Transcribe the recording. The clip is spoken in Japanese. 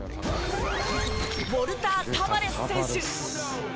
ウォルター・タバレス選手。